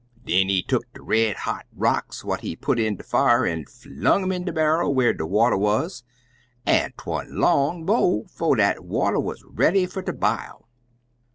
Den he tuck de red hot rocks what he put in de fire, an' flung um in de barrel whar de water wuz, an' 'twan't long, mon, 'fo' dat water wuz ready fer ter bile.